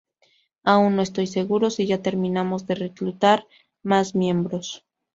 Aún no estoy seguro si ya terminamos de reclutar más miembros".